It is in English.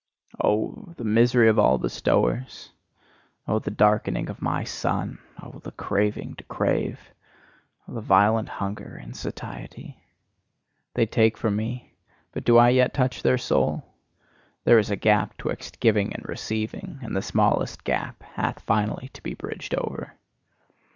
Oh, the misery of all bestowers! Oh, the darkening of my sun! Oh, the craving to crave! Oh, the violent hunger in satiety! They take from me: but do I yet touch their soul? There is a gap 'twixt giving and receiving; and the smallest gap hath finally to be bridged over.